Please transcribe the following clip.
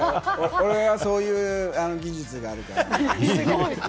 俺はそういう技術があるからね。